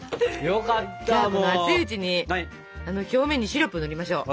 じゃあ熱いうちに表面にシロップ塗りましょう。